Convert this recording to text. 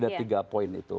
ada tiga poin itu